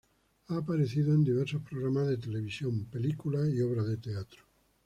Ha aparecido en diversos programas de televisión, películas y obras de teatro.